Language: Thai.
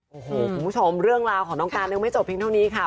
โอ้โหคุณผู้ชมเรื่องราวของน้องการยังไม่จบเพียงเท่านี้ค่ะ